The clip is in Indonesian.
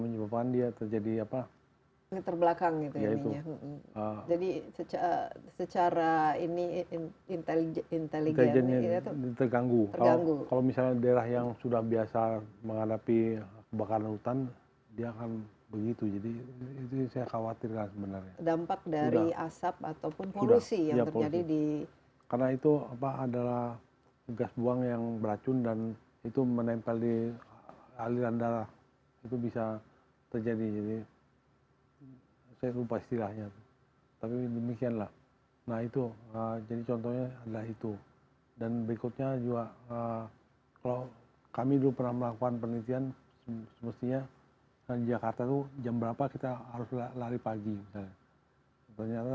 mengungkung dan nanti kita akan mengalami ini karena kita memasuki musim kemarau sekarang